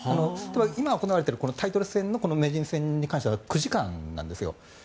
今、行われているタイトル戦の名人戦に関しては９時間なんですよ。